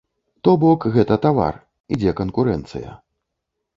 То бок, гэта тавар, ідзе канкурэнцыя.